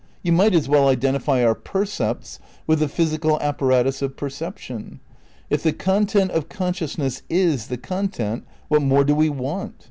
You might as well identify our percepts with the physical apparatus of perception. If the content of consciousness is the content what more do we want?